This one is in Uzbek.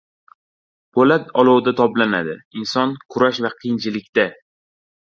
• Po‘lat olovda toblanadi, inson — kurash va qiyinchilikda.